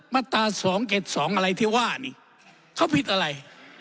มาตรา๒๗๒อะไรที่ว่านี่เขาผิดอะไร